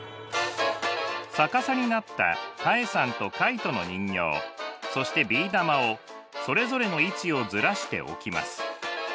逆さになったタエさんとカイトの人形そしてビー玉をそれぞれの位置をずらして置きます。